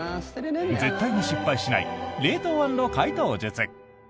絶対に失敗しない冷凍＆解凍術。